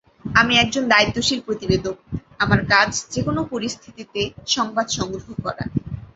আমি একজন দায়িত্বশীল প্রতিবেদক, আমার কাজ যেকোনো পরিস্থিতিতে সংবাদ সংগ্রহ করা।